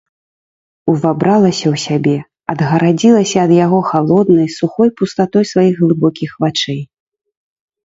Увабралася ў сябе, адгарадзілася ад яго халоднай, сухой пустатой сваіх глыбокіх вачэй.